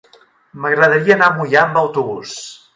M'agradaria anar a Moià amb autobús.